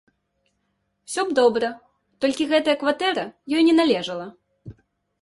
Усё б добра, толькі гэтая кватэра ёй не належала.